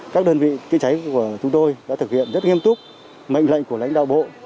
các đơn vị chữa cháy của chúng tôi đã thực hiện rất nghiêm túc mệnh lệnh của lãnh đạo bộ